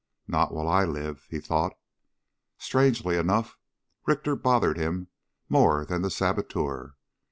Not while I live, he thought. Strangely enough, Richter bothered him more than the saboteur.